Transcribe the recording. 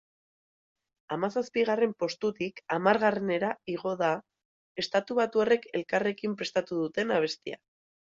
Hamazazpigarren postutik hamargarrenera igo da estatubatuarrek elkarrekin prestatu duten abestia.